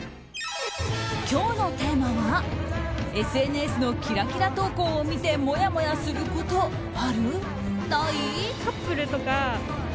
今日のテーマはＳＮＳのキラキラ投稿を見てもやもやすること、ある？